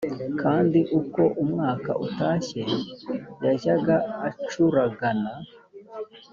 kandi uko umwaka utashye yajyaga acuragana